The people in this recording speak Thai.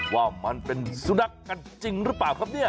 ว่ามันเป็นสุนัขกันจริงหรือเปล่าครับเนี่ย